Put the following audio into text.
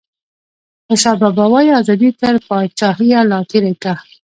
خوشحال بابا وايي ازادي تر پاچاهیه لا تیری کا.